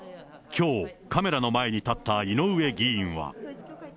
きょう、カメラの前に立った井上議員は。